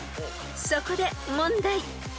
［そこで問題］